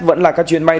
vẫn là các chuyến bay